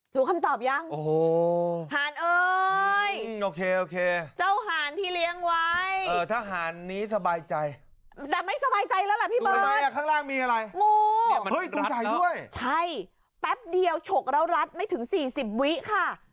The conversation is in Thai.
ถูกคำตอบยังห่านเอ้ยเจ้าห่านที่เลี้ยงไว้ถ้าห่านนี้สบายใจแต่ไม่สบายใจแล้วล่ะพี่เบิร์ชดูไหมข้างล่างมีอะไรงูเฮ้ยตูจ่ายด้วยใช่แป๊บเดียวฉกแล้วรัดไม่ถึง๔๐วิค่ะ